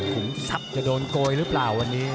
ขุมทรัพย์จะโดนโกยหรือเปล่าวันนี้